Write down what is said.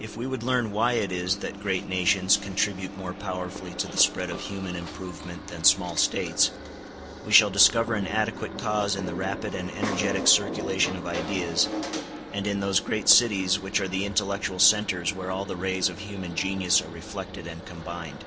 If we would learn why it is that great nations contribute more powerfully to the spread of human improvement than small States, we shall discover an adequate cause in the rapid and energetic circulation of ideas, and in those great cities which are the intellectual centres where all the rays of human genius are reflected and combined.